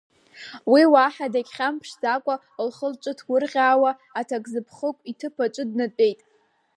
Уи уаҳа дхьамԥшӡакәа, лхы-лҿы ҭгәырӷьаауа аҭакзыԥхықәу иҭыԥ аҿы днатәеит.